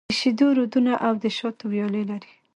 د شېدو رودونه او د شاتو ويالې لري.